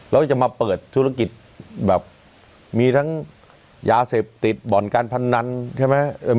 แล้วจะมาเปิดธุรกิจแบบมีทั้งยาเสพติดบ่อนการพนันใช่ไหม